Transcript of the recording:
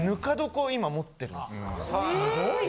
すごいね。